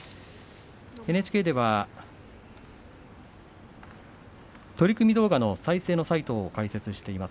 ＮＨＫでは取組動画の再生のサイトを開設しています。